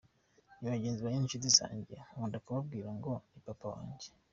Na bagenzi banjye n’inshuti zanjye nkunda kubabwira ngo ni papa wanjye.